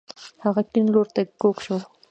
هغه کيڼ لورته کږه شوه.